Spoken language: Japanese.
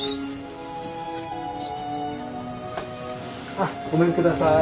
あっごめんください。